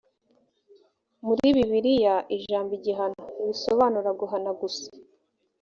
muri bibiliya ijambo igihano ntirisobanura guhana gusa